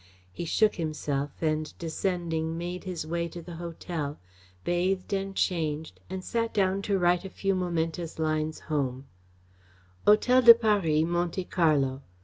He shook himself and, descending, made his way to the hotel, bathed and changed and sat down to write a few momentous lines home: Hotel de Paris, Monte Carlo.